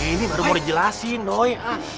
ini baru boleh jelasin doi